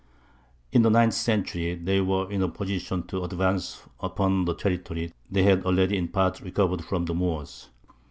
In the ninth century they were in a position to advance upon the territory they had already in part recovered from the Moors.